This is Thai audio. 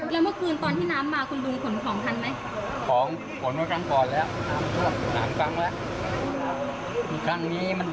ลำบากครับคุณลุง